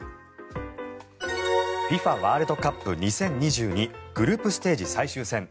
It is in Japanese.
ワールドカップ２０２２グループステージ最終戦。